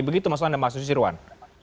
begitu maksud anda mas susirwan